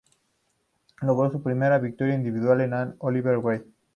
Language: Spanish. Logro su primera victoria individual ante Oliver Grey.